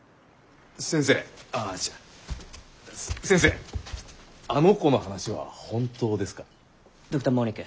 先生あの子の話は本当ですか？